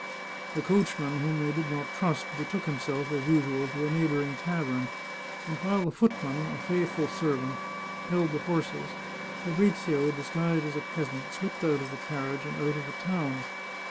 The coachman, whom they did not trust, betook himself, as usual, to a neighbouring tavern, and while the footman, a faithful servant, held the horses, Fabrizio, disguised as a peasant, slipped out of the carriage and out of the town.